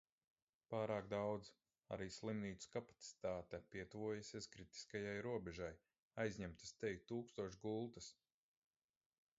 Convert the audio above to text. Pārāk daudz... Arī slimnīcu kapacitāte pietuvojusies kritiskajai robežai – aizņemtas teju tūkstoš gultas.